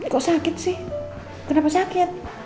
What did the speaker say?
kok sakit sih kenapa sakit